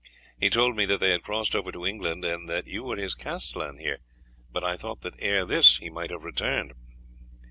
He told me that they had crossed over to England, and that you were his castellan here. But I thought that ere this he might have returned."